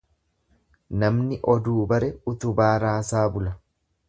Namni oduu bare utubaa raasaa bula.